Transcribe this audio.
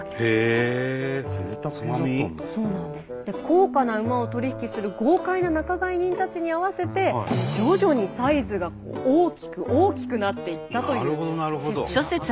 高価な馬を取り引きする豪快な仲買人たちに合わせて徐々にサイズが大きく大きくなっていったという説があるそうなんです。